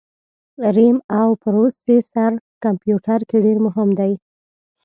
رېم او پروسیسر کمپیوټر کي ډېر مهم دي